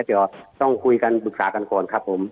เดี๋ยวต้องคุยกันปรึกษากันก่อนครับผม